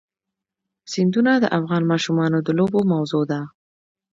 سیندونه د افغان ماشومانو د لوبو موضوع ده.